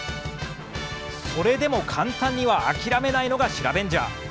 それでも簡単には諦めないのがシラベンジャー。